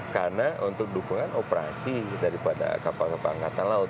karena untuk dukungan operasi daripada kapal kapal angkatan laut